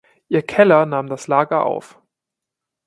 Ihr Keller nahm das Lager auf.